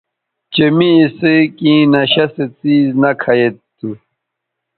چہء می اِسئ کیں نشہ سو څیز نہ کھہ ید تھو